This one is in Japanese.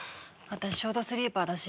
私ショートスリーパーだし。